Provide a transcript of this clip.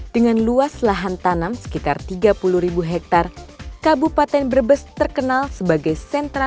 dengan luas lahan tanam sekitar tiga puluh ribu hektare kabupaten brebes terkenal sebagai sebuah lahan yang sangat berbeda